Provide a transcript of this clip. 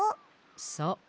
そう。